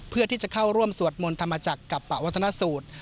เพื่อที่จะเข้าร่วมสวดมนต์ธรรมจักรกับปะวัฒนสูตร